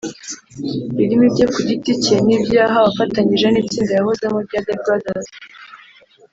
birimo ibye ku giti cye n’ibyo yahawe afatanyije n’itsinda yahozemo rya The Brothers